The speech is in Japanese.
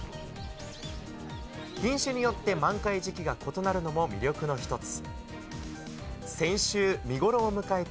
品種によって満開時期が異なるのも魅力の一つ。